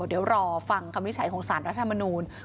เดี๋ยวรอฟังคำวินิจฉัยของสารรัฐมนูล